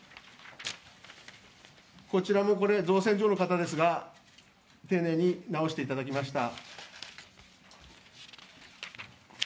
こちらも、造船所の方ですが、丁寧に直していただきました。